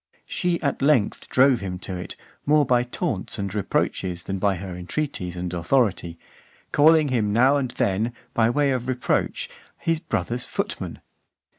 She at length drove him to it, more by taunts and reproaches, than by her entreaties (443) and authority, calling him now and then, by way of reproach, his brother's footman.